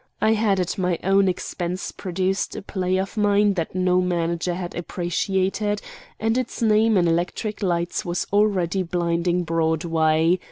I had at my own, expense produced a play of mine that no manager had appreciated, and its name in electric lights was already blinding Broadway.